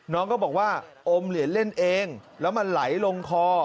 น้องก็บอกว่าอมเหรียญเล่นเองแล้วมันไหลลงคอ